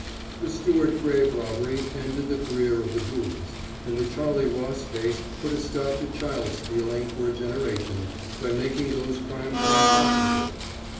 The Stewart grave robbery ended the career of the ghouls, and the Charley Ross case put a stop to child stealing for a generation, by making those crimes unprofitable.